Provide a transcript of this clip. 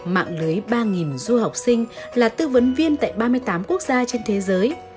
mạng lưới ba du học sinh là tư vấn viên tại ba mươi tám quốc gia trên thế giới